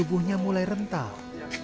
aku untuk percaya lawan